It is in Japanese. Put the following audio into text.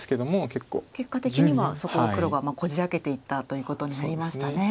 結果的にはそこを黒がこじ開けていったということになりましたね。